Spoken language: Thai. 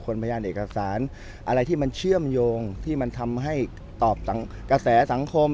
พยานเอกสารอะไรที่มันเชื่อมโยงที่มันทำให้ตอบกระแสสังคม